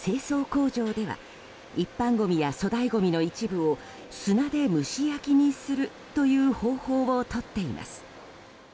工場では一般ごみや粗大ごみの一部を砂で蒸し焼きにするという方法をとっています。